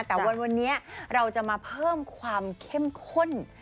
แต่วันนี้เราจะมาเพิ่มความเข้มข้น